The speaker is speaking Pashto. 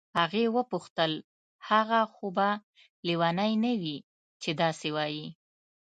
هغې وپوښتل هغه خو به لیونی نه وي چې داسې وایي.